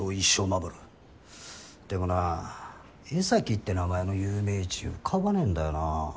・ピンポーンでもな柄崎って名前の有名人浮かばねぇんだよな。